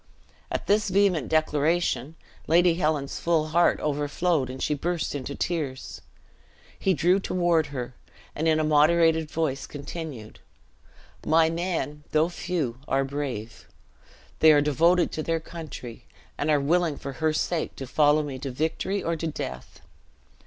At this vehement declaration, Lady Helen's full heart overflowed, and she burst into tears. He drew toward her, and in a moderated voice continued: "My men, though few, are brave. They are devoted to their country, and are willing for her sake to follow me to victory or to death.